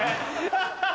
ハハハハ！